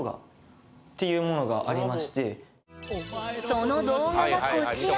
その動画がこちら